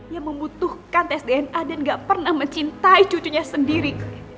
yang membutuhkan tes dna dan gak pernah mencintai cucunya sendiri